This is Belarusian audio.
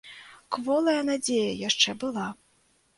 Кволая надзея яшчэ была.